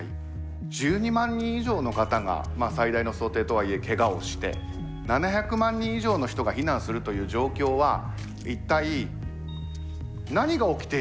１２万人以上の方がまあ最大の想定とはいえけがをして７００万人以上の人が避難するという状況は一体何が起きているのか。